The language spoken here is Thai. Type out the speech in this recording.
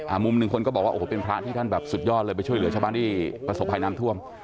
มุมหนึ่งคนก็บอกว่าโอ้โหเป็นพระที่ท่านแบบสุดยอดเลยไปช่วยเหลือชาวบ้านที่ประสบภัยน้ำท่วม